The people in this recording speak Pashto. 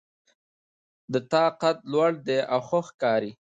د تا قد لوړ ده او ښه ښکاري